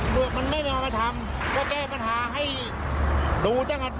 ถ้ามันไม่ยอมมาทำก็แก้ปัญหาให้ดูจะอย่างนั้น